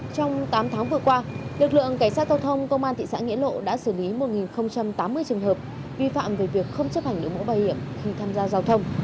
trong tám tháng vừa qua lực lượng cảnh sát giao thông công an thị xã nghĩa lộ đã xử lý một tám mươi trường hợp vi phạm về việc không chấp hành điều mũ bảo hiểm khi tham gia giao thông